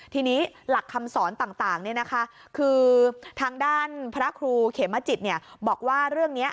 ทีนี้หลักคำสอนต่างเนี่ยนะคะคือทางด้านพระครูเขมจิตเนี่ยบอกว่าเรื่องเนี่ย